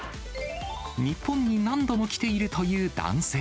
日本に何度も来ているという男性。